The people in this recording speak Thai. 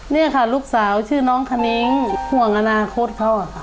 นี่ค่ะลูกสาวชื่อน้องคณิ้งห่วงอนาคตเขาอะค่ะ